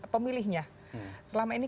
pemilihnya selama ini